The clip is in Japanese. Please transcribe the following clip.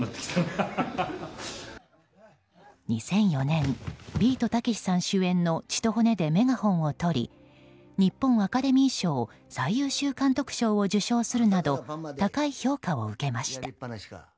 ２００４年ビートたけしさん主演の「血と骨」でメガホンを取り日本アカデミー賞最優秀監督賞を受賞するなど高い評価を受けました。